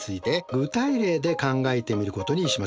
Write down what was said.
具体例で考えてみることにしましょう。